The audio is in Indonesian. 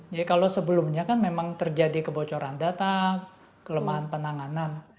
kalau sebelumnya kan memang terjadi kebocoran data kelemahan penanganan